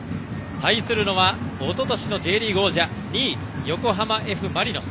対するのはおととしのＪリーグ王者２位、横浜Ｆ・マリノス。